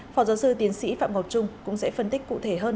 phó giáo sư tiến sĩ phạm ngọc trung cũng sẽ phân tích cụ thể hơn